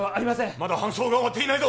まだ搬送が終わっていないぞ